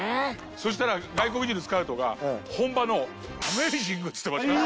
そしたら外国人のスカウトが本場の「アメージング！」っつってました。